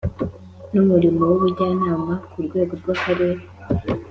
n umurimo w ubujyanama ku rwego rw Akarere